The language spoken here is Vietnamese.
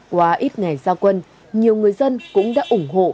quá ít ngày giao quân nhiều người dân cũng đã ủng hộ